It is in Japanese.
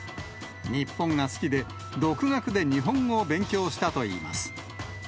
日本が好きで、独学で日本語を勉強したといいます。